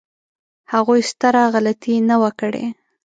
هغوی ستره غلطي نه وه کړې.